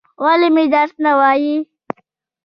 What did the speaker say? ولې مې درس نه وایل؟